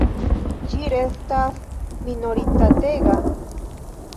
Ĝi restas minoritatega?